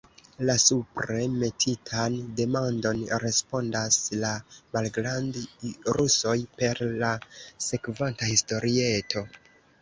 La supre metitan demandon respondas la malgrand'rusoj per la sekvanta historieto.